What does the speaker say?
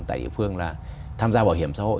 tại địa phương là tham gia bảo hiểm xã hội